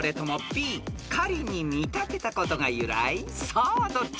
［さあどっち］